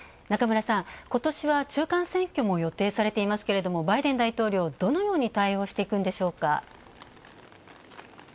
中村さん、ことしは中間選挙も予定されていますけどもバイデン大統領どのように対応していくんでしょうか？